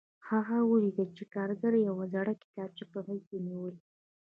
هغه ولیدل چې کارګر یوه زړه کتابچه په غېږ کې نیولې